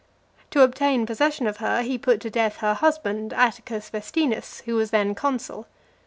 To obtain possession of her, he put to death her husband, Atticus Vestinus, who was then consul.